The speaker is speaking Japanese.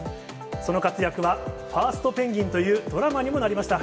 その活躍は、ファーストペンギン！というドラマにもなりました。